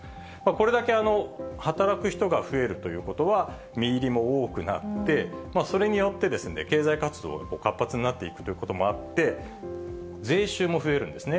これだけ働く人が増えるということは、実入りも多くなって、それによって、経済活動が活発になっていくということもあって、税収も増えるんですね。